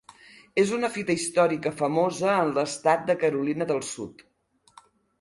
És una fita històrica famosa en l'estat de Carolina del Sud.